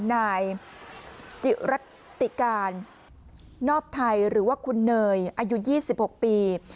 นายจิรัตติการนอบไทยหรือว่าคุณเนยอายุ๒๖ปี